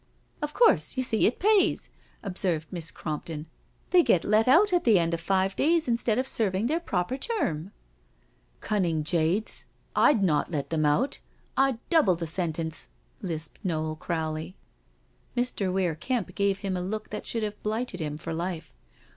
"Of course, you see it pays," observed Miss Cromp ton. " They get let out at the end of five days instead of serving their proper term." " Cunning jades — I'd not let them out. Td double the sentence," lisped Noel Crowley. Mr. Weir Kemp gave him a look that should have blighted him for life.